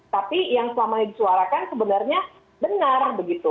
tapi yang selamanya disuarakan sebenarnya benar begitu